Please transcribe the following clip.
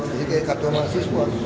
jadi kayak kartu mahasiswa